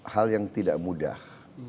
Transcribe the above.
hal yang tidak mudah